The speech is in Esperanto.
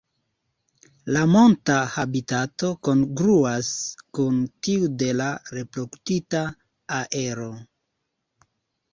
La monta habitato kongruas kun tiu de la reprodukta areo.